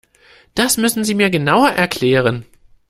Das müssen Sie mir genauer erklären.